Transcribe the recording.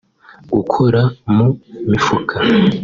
gukora mu mifuka